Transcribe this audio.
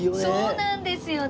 そうなんですよね。